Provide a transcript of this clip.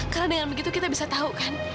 karena dengan begitu kita bisa tahu kan